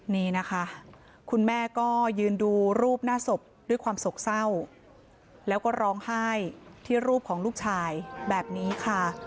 นี่นะคะคุณแม่ก็ยืนดูรูปหน้าศพด้วยความโศกเศร้าแล้วก็ร้องไห้ที่รูปของลูกชายแบบนี้ค่ะ